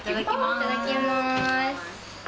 いただきます。